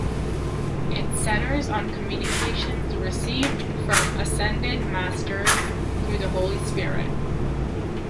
It centers on communications received from Ascended Masters through the Holy Spirit.